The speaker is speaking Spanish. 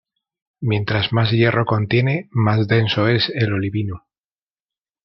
Mientras más hierro contiene más denso es el olivino.